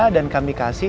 dan kami kasih